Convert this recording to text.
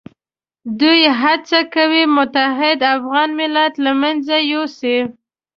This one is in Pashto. دوی هڅه کوي متحد افغان ملت له منځه یوسي.